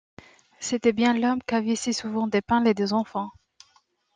C’était bien l’homme qu’avaient si souvent dépeint les deux enfants.